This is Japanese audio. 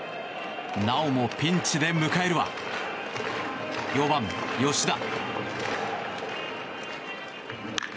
なおもピンチで迎えるは４番、吉田。